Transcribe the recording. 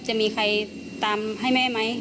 จะมีใครตามให้แม่ไหม